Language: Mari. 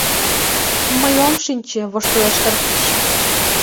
— Мый ом шинче, — воштылеш Карпуш.